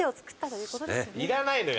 いらないのよ！